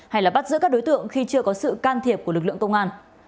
hay là bắt giữ các đối tượng khi chưa có sự can thiệp của lực lượng công an